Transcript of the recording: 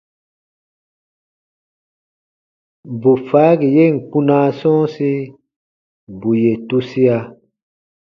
Bù faagi yen kpunaa sɔ̃ɔsi, bù yè tusia.